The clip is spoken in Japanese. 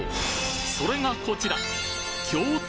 それがこちら！